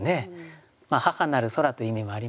母なる空という意味もありますし